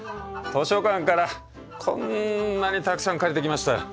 図書館からこんなにたくさん借りてきました。